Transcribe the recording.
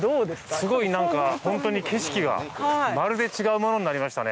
すごいなんか、本当に景色がまるで違うものになりましたね。